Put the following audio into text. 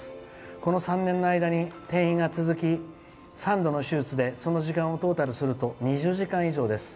この３年の間、転移が続き３度の手術で、その時間をトータルすると２０時間以上です。